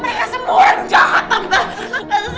mereka semua orang jahat tante